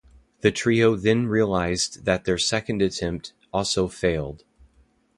The trio then realised that their second attempt also failed.